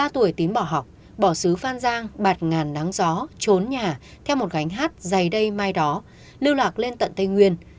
một mươi ba tuổi tín bỏ học bỏ xứ phan giang bạt ngàn nắng gió trốn nhà theo một gánh hát dày đầy mai đó lưu lạc lên tận tây nguyên